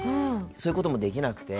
そういうことも、できなくて。